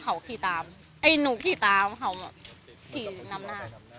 เขาขี่ตามไอ้หนูขี่ตามเขาขี่นำหน้าครับ